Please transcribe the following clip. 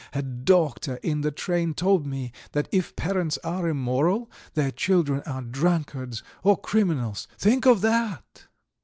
A doctor in the train told me that if parents are immoral, their children are drunkards or criminals. Think of that!"